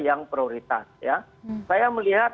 yang prioritas saya menurut